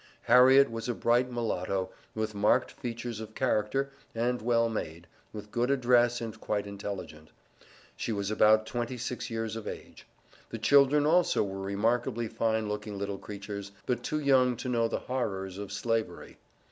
Harriet was a bright mulatto, with marked features of character, and well made, with good address and quite intelligent. She was about twenty six years of age. The children also were remarkably fine looking little creatures, but too young to know the horrors of Slavery.